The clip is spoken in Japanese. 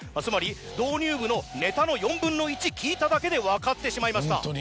つまり導入部のネタの４分の１聞いただけで分かってしまいました。